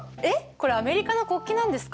これアメリカの国旗なんですか？